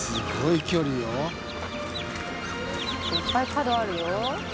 いっぱい角あるよ。